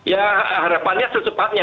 ya harapannya secepatnya ya